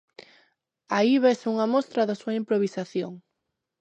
Aí vese unha mostra da súa improvisación.